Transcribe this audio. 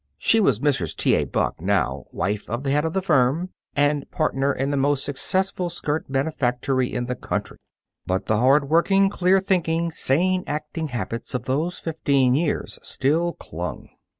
She was Mrs. T. A. Buck now, wife of the head of the firm, and partner in the most successful skirt manufactory in the country. But the hard working, clear thinking, sane acting habits of those fifteen years still clung.